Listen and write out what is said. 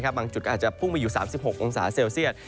บางจุดก็อาจจะพุ่งมาอยู่๓๖องศาเซลเซียต